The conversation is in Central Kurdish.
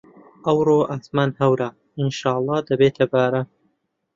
ئەوڕۆ ئاسمان هەورە، ئینشاڵڵا دەبێتە باران.